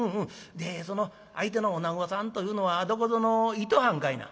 でその相手のおなごさんというのはどこぞのいとはんかいな？」。